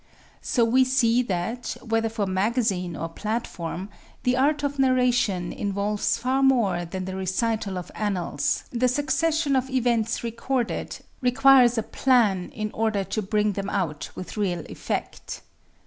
So we see that, whether for magazine or platform, the art of narration involves far more than the recital of annals; the succession of events recorded requires a plan in order to bring them out with real effect.